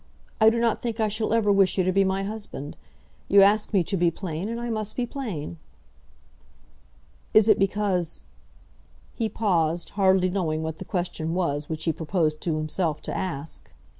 I do not think I shall ever wish you to be my husband. You ask me to be plain, and I must be plain." "Is it because ?" He paused, hardly knowing what the question was which he proposed to himself to ask.